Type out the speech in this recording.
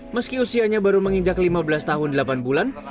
meski usianya baru menginjak lima belas tahun delapan bulan